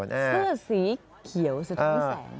เสื้อสีเขียวสูตรสีแสง